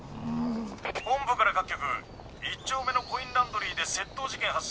本部から各局１丁目のコインランドリーで窃盗事件発生。